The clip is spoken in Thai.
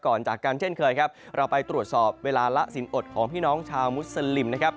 จากกันเช่นเคยครับเราไปตรวจสอบเวลาละสินอดของพี่น้องชาวมุสลิมนะครับ